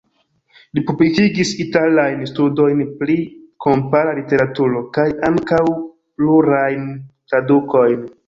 Li publikigis italajn studojn pri kompara literaturo, kaj ankaŭ plurajn tradukojn.